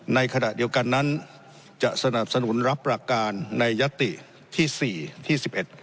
ในขณะเดียวกันนั้นจะสนับสนุนรับหลักการในยติที่๔ที่๑๑